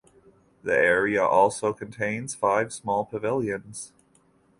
The area also contains five small pavilions.